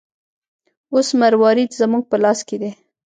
اوس مروارید زموږ په لاس کې دی.